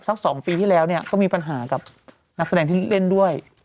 ๒ปีที่แล้วเนี่ยก็มีปัญหากับนักแสดงที่เล่นด้วย